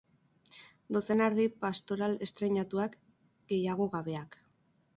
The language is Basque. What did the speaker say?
Dozena erdi pastoral estreinatuak, gehiago gabeak.